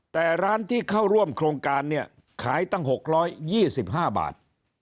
แต่ร้านที่เข้าร่วมโครงการเนี่ยขายตั้ง๖๒๕บาท